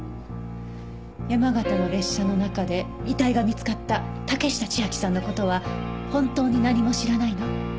山形の列車の中で遺体が見つかった竹下千晶さんの事は本当に何も知らないの？